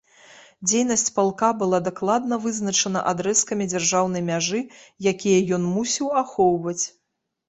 Дзейнасць палка была дакладна вызначана адрэзкамі дзяржаўнай мяжы, якія ён мусіў ахоўваць.